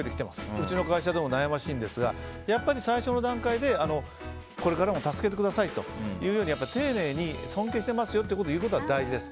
うちの会社でも悩ましいんですが最初の段階で、これからも助けてくださいというように丁寧に尊敬してますよって言うことが大事です。